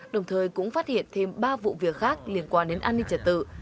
đồng thời cũng phát hiện thêm ba vụ việc khác liên quan đến an ninh trật tự